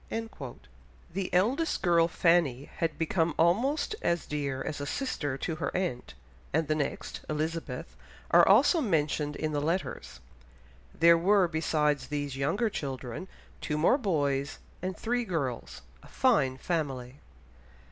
The eldest girl, Fanny, had become almost as dear as a sister to her aunt, and the next, Elizabeth, are also mentioned in the letters; there were besides these younger children, two more boys and three girls, a fine family!